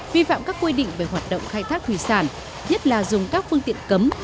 vi phạm các quy định về hoạt động khai thác thủy sản nhất là dùng các phương tiện cấm